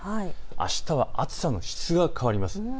あしたは暑さの質が変わります。